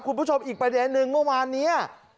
คุณผู้ชมอีกประเด็นนึงเมื่อวานนี้